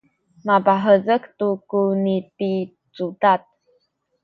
mapahezek tu ku nipicudad